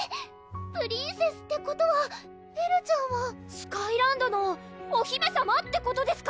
プリンセスってことはエルちゃんはスカイランドのお姫さまってことですか？